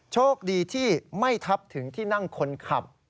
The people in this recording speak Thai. โชคดีที่ไม่ทับถึงที่นั่งคนขับ